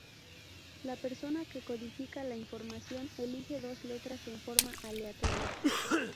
La persona que codifica la información elige dos letras en forma aleatoria.